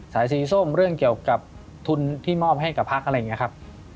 สายสีส้มเรื่องเกี่ยวกับทุนที่มอบให้กับพักอะไรอย่างนี้ครับ